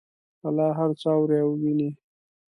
الله هر څه اوري او ویني